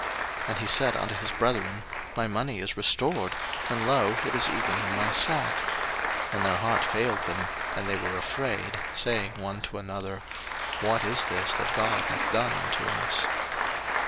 01:042:028 And he said unto his brethren, My money is restored; and, lo, it is even in my sack: and their heart failed them, and they were afraid, saying one to another, What is this that God hath done unto us?